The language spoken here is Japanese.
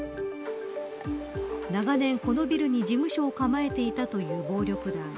長年、このビルに事務所を構えていたという暴力団。